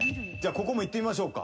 ここもいってみましょうか。